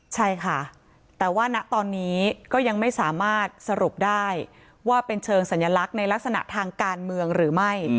ใช่ค่ะแต่ว่าณตอนนี้ก็ยังไม่สามารถสรุปได้ว่าเป็นเชิงสัญลักษณ์ในลักษณะทางการเมืองหรือไม่